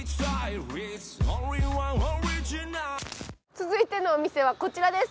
続いてのお店はこちらです。